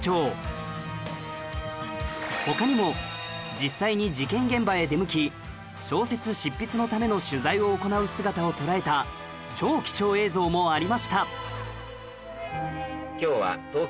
他にも実際に事件現場へ出向き小説執筆のための取材を行う姿を捉えた超貴重映像もありました